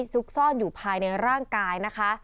ซุกซ่อนอยู่ภายในร่างกายนะคะ